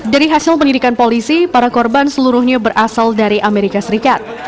dari hasil pendidikan polisi para korban seluruhnya berasal dari amerika serikat